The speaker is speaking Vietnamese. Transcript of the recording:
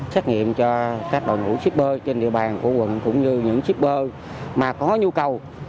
xét nghiệm cho các đội ngũ shipper trên địa bàn của quận cũng như những shipper mà có nhu cầu